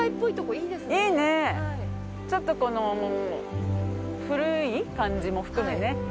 いいねちょっとこの古い感じも含めね。